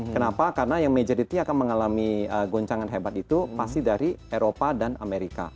kenapa karena yang majority akan mengalami goncangan hebat itu pasti dari eropa dan amerika